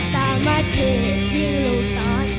ตามาเกดที่ลูกสอน